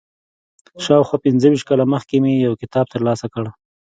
شاوخوا پنځه ویشت کاله مخکې مې یو کتاب تر لاسه کړ.